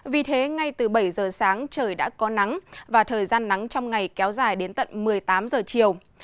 vì thế ngay từ bảy giờ sáng trời đã có nắng và thời gian nắng trong ngày kéo dài đến tận một mươi tám giờ chiều